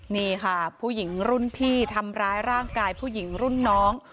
นี่ค่ะผู้หญิงรุ่นพี่ทำร้ายร่างกายผู้หญิงรุ่นน้อง